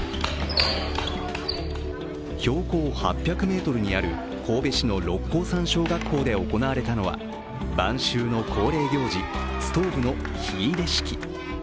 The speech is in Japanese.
標高８００ｍにある神戸市の六甲山小学校で行われたのは晩秋の恒例行事、ストーブの火入れ式。